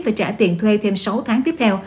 và trả tiền thuê thêm sáu tháng tiếp theo